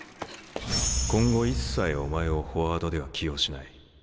今後一切お前をフォワードでは起用しない。